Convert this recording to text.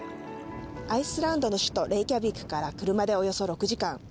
アイスランドの首都レイキャビックから車でおよそ６時間。